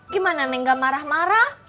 gimana neng gak marah marah